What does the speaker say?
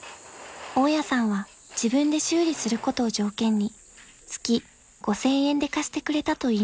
［大家さんは自分で修理することを条件に月５，０００円で貸してくれたといいます］